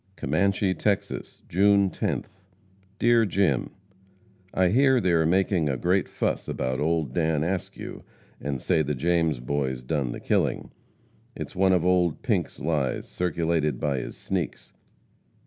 COMMANCHE, TEXAS, June 10th. DEAR JIM: I hear they are making a great fuss about old Dan Askew, and say the James Boys done the killing. It's one of old Pink's lies, circulated by his sneaks.